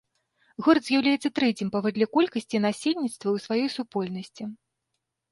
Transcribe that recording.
Горад з'яўляецца трэцім паводле колькасці насельніцтва ў сваёй супольнасці.